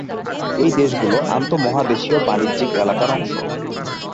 এই দেশগুলো আন্ত:মহাদেশীয় বাণিজ্যিক এলাকার অংশ।